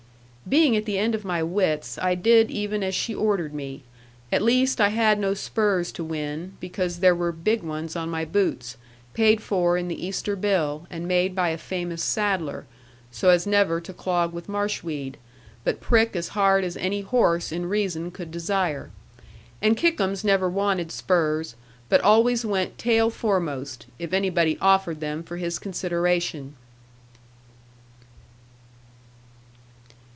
Being at the end of my wits, I did even as she ordered me. At least I had no spurs to win, because there were big ones on my boots, paid for in the Easter bill, and made by a famous saddler, so as never to clog with marsh weed, but prick as hard as any horse, in reason, could desire. And Kickums never wanted spurs; but always went tail foremost, if anybody offered them for his consideration.